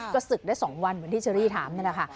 ก็ศึกได้๒วันเหมือนที่เชอรี่ถามนี่แหละค่ะ